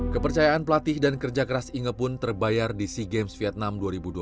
kepercayaan pelatih dan kerja keras inge pun terbayar di sea games vietnam dua ribu dua puluh tiga